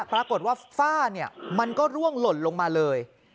ปรากฏว่าฝ้ามันก็ร่วงหล่นลงมาเลย